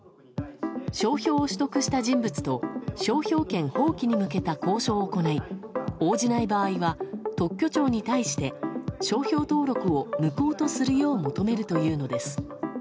商標を取得した人物と商標権放棄に向けた交渉を行い、応じない場合は特許庁に対して商標登録を無効とするよう求めるというのです。